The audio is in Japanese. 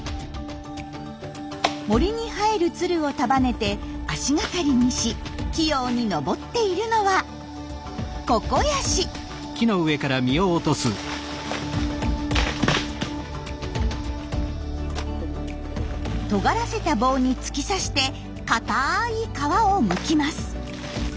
森に生えるつるを束ねて足がかりにし器用に登っているのはとがらせた棒に突き刺して硬い皮をむきます。